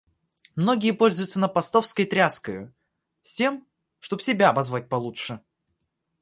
Многие пользуются напостовской тряскою, с тем чтоб себя обозвать получше.